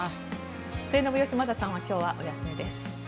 末延吉正さんは今日はお休みです。